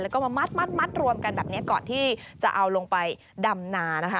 แล้วก็มามัดรวมกันแบบนี้ก่อนที่จะเอาลงไปดำนานะคะ